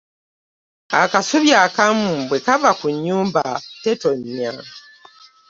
Akasubi akamu bwekava ku nyumba tetonnya .